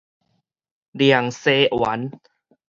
涼沙丸